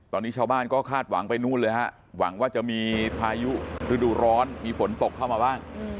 ตอนนี้ชาวบ้านก็คาดหวังไปนู่นเลยฮะหวังว่าจะมีพายุฤดูร้อนมีฝนตกเข้ามาบ้าง